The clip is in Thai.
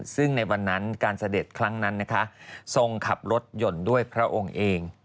ซึ่งในวันนั้นการเสด็จครั้งนั้นนะคะทรงขับรถยนต์ด้วยพระองค์เอง